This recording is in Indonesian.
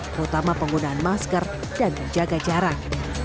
terutama penggunaan masker dan menjaga jarak